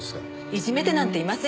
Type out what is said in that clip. いじめてなんていません。